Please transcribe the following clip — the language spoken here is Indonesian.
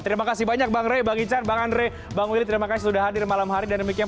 terima kasih banyak bang reba gijan bang andre bang wili terima kasih sudah hadir malam hari dan